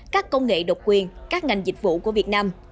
các công nghệ độc quyền các ngành dịch vụ của việt nam